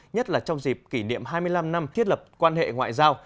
nhất là trong dịp kỷ niệm hai mươi năm năm thiết lập quan hệ ngoại giao